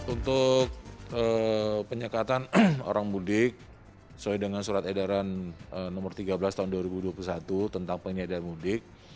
untuk penyekatan orang mudik sesuai dengan surat edaran nomor tiga belas tahun dua ribu dua puluh satu tentang penyediaan mudik